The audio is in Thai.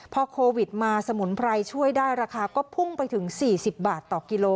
พอโควิดมาสมุนไพรช่วยได้ราคาก็พุ่งไปถึง๔๐บาทต่อกิโล